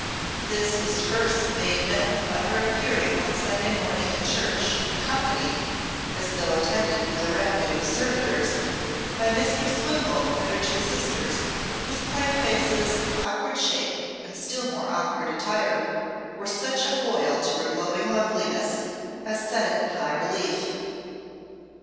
This was first made known by her appearing one Sunday morning at church, accompanied as though attended with a retinue of servitors by Mistress Wimpole and her two sisters, whose plain faces, awkward shape, and still more awkward attire were such a foil to her glowing loveliness as set it in high relief.